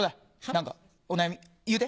何かお悩み言うて！